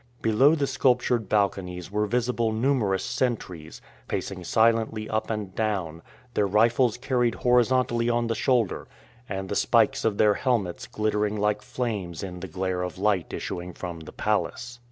Below the sculptured balconies were visible numerous sentries, pacing silently up and down, their rifles carried horizontally on the shoulder, and the spikes of their helmets glittering like flames in the glare of light issuing from the palace.